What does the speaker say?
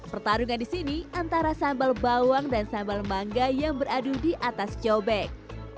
pertarungan di sini antara sambal bawang dan sambal mangga yang beradu di atas cobek